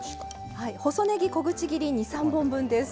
細ねぎ小口切り２３本分です。